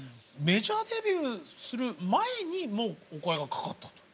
メジャーデビューする前にもうお声がかかったと。